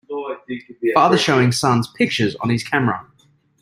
Father showing sons pictures on his camera.